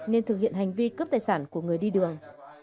nên thực hiện hành vi cướp tài sản của người đi đường